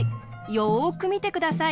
よくみてください。